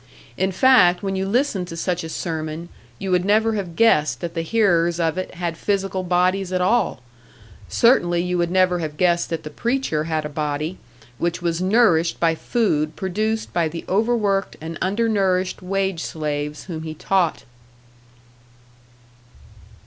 In fact, when you listened to such a sermon, you would never have guessed that the hearers of it had physical bodies at all; certainly you would never have guessed that the preacher had a body, which was nourished by food produced by the overworked and under nourished wage slaves whom he taught!